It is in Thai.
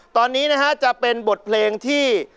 ตอนนี้นะฮะจะเป็นบทเพลงที่